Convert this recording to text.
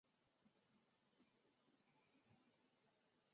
马战车为古代常见的军事战斗车辆与运输工具。